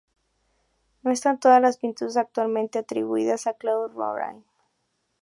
No están todas las pinturas actualmente atribuidas a Claude Lorrain.